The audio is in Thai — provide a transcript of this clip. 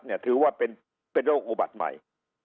เนี่ยคือว่าเป็นเป็นโรคอุบัติใหม่